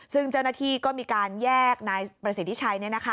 ซึ่งเจ้าหน้าที่ก็มีการแยกนายประสิทธิชัย